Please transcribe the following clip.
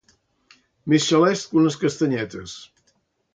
Més xalest que unes castanyetes.